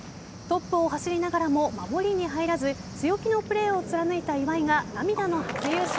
トップを走りながらも守りに入らず強気のプレーを貫いた岩井が涙の初優勝。